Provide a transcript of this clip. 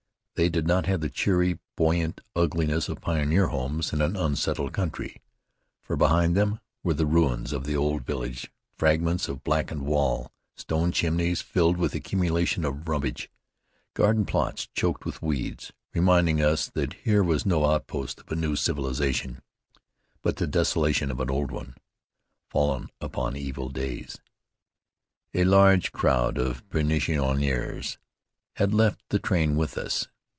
They did not have the cheery, buoyant ugliness of pioneer homes in an unsettled country, for behind them were the ruins of the old village, fragments of blackened wall, stone chimneys filled with accumulations of rubbish, garden plots choked with weeds, reminding us that here was no outpost of a new civilization, but the desolation of an old one, fallen upon evil days. A large crowd of permissionnaires had left the train with us.